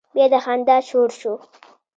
بيا د خندا شور شو.